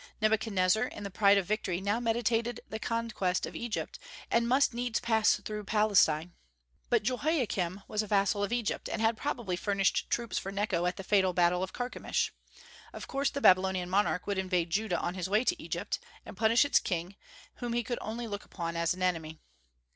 Nebuchadnezzar in the pride of victory now meditated the conquest of Egypt, and must needs pass through Palestine. But Jehoiakim was a vassal of Egypt, and had probably furnished troops for Necho at the fatal battle of Carchemish. Of course the Babylonian monarch would invade Judah on his way to Egypt, and punish its king, whom he could only look upon as an enemy.